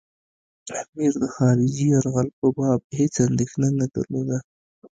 امیر د خارجي یرغل په باب هېڅ اندېښنه نه درلوده.